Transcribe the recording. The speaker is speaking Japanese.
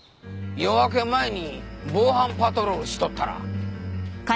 夜明け前に防犯パトロールしとったら。